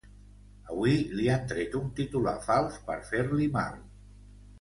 Avui li han tret un titular fals per fer-li mal.